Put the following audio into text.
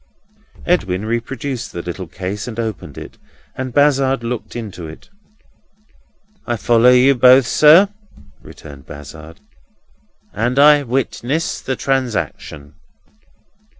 Edwin reproduced the little case, and opened it; and Bazzard looked into it. "I follow you both, sir," returned Bazzard, "and I witness the transaction."